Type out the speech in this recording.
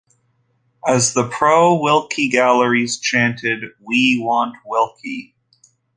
As the pro-Willkie galleries chanted We Want Willkie!